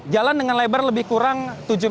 jalan dengan lebar lebih kurang tujuh meter